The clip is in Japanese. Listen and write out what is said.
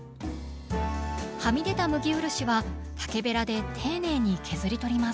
はみ出た麦漆は竹べらで丁寧に削り取ります。